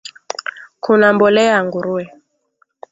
Kuna mbolea ya nguruwe